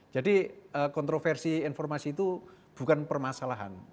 jadi kontroversi informasi itu bukan permasalahan